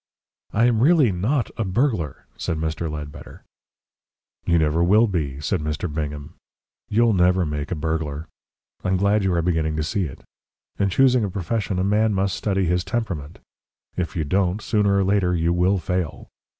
"I am really NOT a burglar," said Mr. Ledbetter. "You never will be," said Mr. Bingham. "You'll never make a burglar. I'm glad you are beginning to see it. In choosing a profession a man must study his temperament. If you don't, sooner or later you will fail.